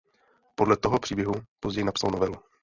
Podle toho příběhu později napsal novelu.